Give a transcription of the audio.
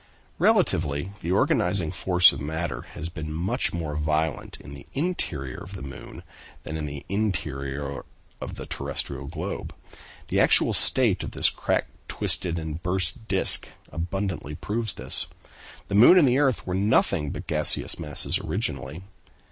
Relatively, the organizing force of matter has been much more violent in the interior of the moon than in the interior of the terrestrial globe. The actual state of this cracked, twisted, and burst disc abundantly proves this. The moon and the earth were nothing but gaseous masses originally.